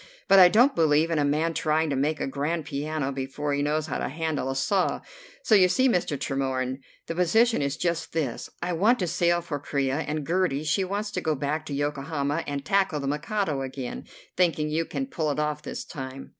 But I don't believe in a man trying to make a grand piano before he knows how to handle a saw. So you see, Mr. Tremorne, the position is just this. I want to sail for Corea, and Gertie, she wants to go back to Yokohama and tackle the Mikado again, thinking you can pull it off this time."